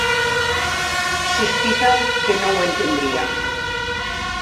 Sospita que no ho entendria.